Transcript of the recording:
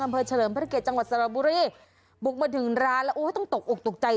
เฉลิมพระเกียรจังหวัดสระบุรีบุกมาถึงร้านแล้วโอ้ต้องตกอกตกใจ